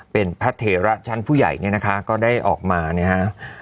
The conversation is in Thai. เป็นแพทย์เถระชั้นผู้ใหญ่เนี่ยนะคะก็ได้ออกมาเนี่ยฮะ